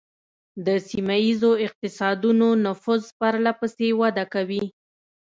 د سیمه ایزو اقتصادونو نفوذ پرله پسې وده کوي